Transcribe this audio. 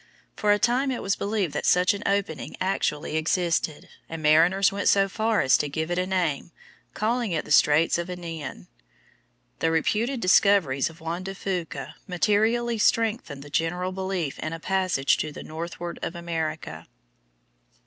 For a time it was believed that such an opening actually existed, and mariners went so far as to give it a name, calling it the Straits of Anian. The reputed discoveries of Juan de Fuca materially strengthened the general belief in a passage to the northward of America.